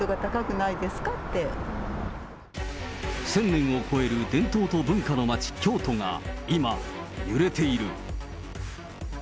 １０００年を超える伝統と文化の町、京都が、今、揺れている。